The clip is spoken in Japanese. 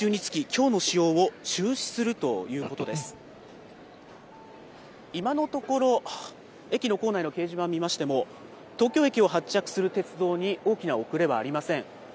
今のところ、駅の構内の掲示板見ましても、東京駅を発着する鉄道に大きな遅れはありません。